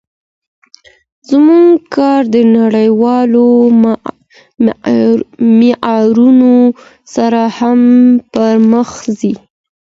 زموږ کار د نړیوالو معیارونو سره سم پرمخ ځي.